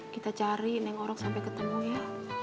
kita cari neng orang sampe ketemu ya